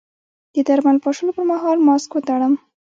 د درمل پاشلو پر مهال ماسک وتړم؟